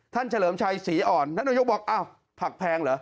เฉลิมชัยศรีอ่อนท่านนายกบอกอ้าวผักแพงเหรอ